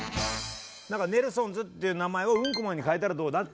何かネルソンズっていう名前をうんこマンに変えたらどうだって。